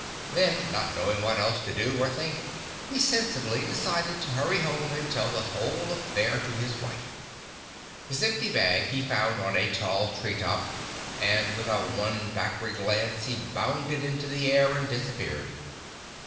Then, not knowing what else to do or think, he sensibly decided to hurry home and tell the whole affair to his wife. His empty bag he found on a tall treetop, and without one backward glance he bounded into the air and disappeared.